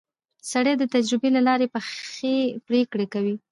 سړی د تجربې له لارې پخې پرېکړې کوي